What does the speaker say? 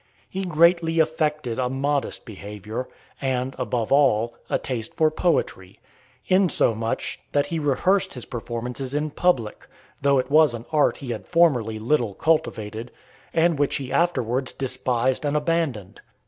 He greatly affected a modest behaviour, and, above all, a taste for poetry; insomuch, that he rehearsed his performances in public, though it was an art he had formerly little cultivated, and which he afterwards despised and abandoned.